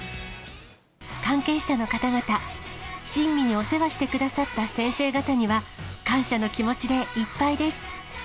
関係者の方々、親身にお世話してくださった先生方には、感謝の気持ちでいっぱいです。